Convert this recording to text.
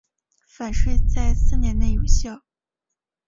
返税在四年内有效。